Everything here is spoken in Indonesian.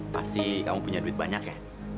pasti kamu punya duit banyak ya